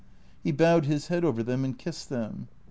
He bowed his head over them and kissed them.